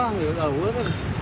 mũ ướt lóc